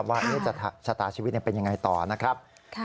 ว่าชะตาชีวิตเป็นยังไงต่อนะครับ